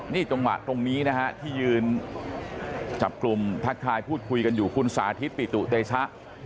นี่จังหวะตรงนี้นะฮะที่ยืนจับกลุ่มทักทายพูดคุยกันอยู่คุณสาธิตปิตุเตชะ